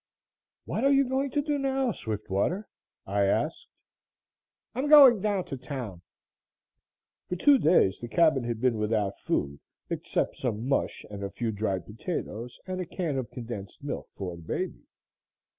"What are you going to do now, Swiftwater?" I asked. "I'm going down to town." For two days the cabin had been without food except some mush and a few dried potatoes and a can of condensed milk for the baby.